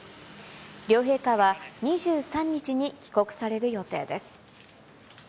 両陛下は２３日に帰国される予定です。